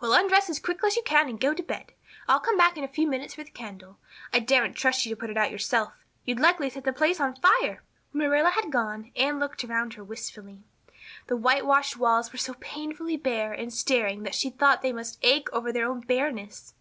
"Well, undress as quick as you can and go to bed. I'll come back in a few minutes for the candle. I daren't trust you to put it out yourself. You'd likely set the place on fire." When Marilla had gone Anne looked around her wistfully. The whitewashed walls were so painfully bare and staring that she thought they must ache over their own bareness.